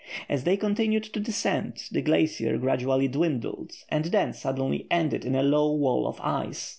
As they continued to descend, the glacier gradually dwindled and then suddenly ended in a low wall of ice.